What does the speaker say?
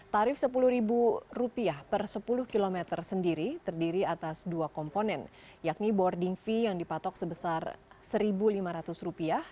tarif rp sepuluh per sepuluh km sendiri terdiri atas dua komponen yakni boarding fee yang dipatok sebesar rp satu lima ratus